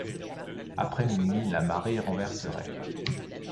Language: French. Après minuit, la marée renverserait.